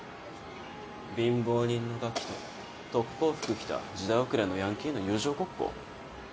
貧乏人のガキと特攻服着た時代遅れのヤンキーの友情ごっこ？